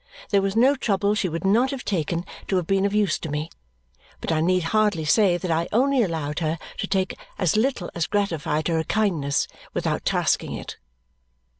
There was no trouble she would not have taken to have been of use to me, but I need hardly say that I only allowed her to take as little as gratified her kindness without tasking it.